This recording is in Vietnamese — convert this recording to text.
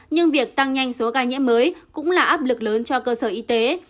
nhưng việc tăng nhanh số ca nhiễm mới cũng là áp lực lớn cho cơ sở y tế